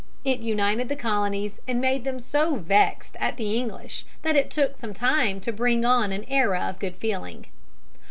It united the Colonies and made them so vexed at the English that it took some time to bring on an era of good feeling.